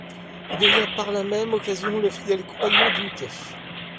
Il devient par la même occasion le fidèle compagnon de Mickey.